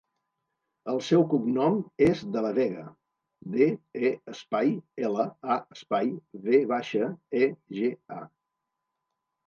El seu cognom és De La Vega: de, e, espai, ela, a, espai, ve baixa, e, ge, a.